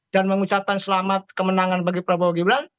dan mengucapkan selamat kemenangan bagi prabowo gebran